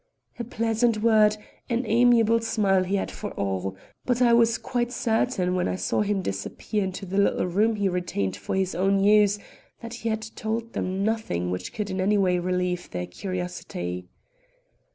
A pleasant word, an amiable smile he had for all, but I was quite certain when I saw him disappear into the little room he retained for his own use that he had told them nothing which could in any way relieve their curiosity.